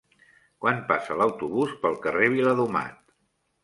Quan passa l'autobús pel carrer Viladomat?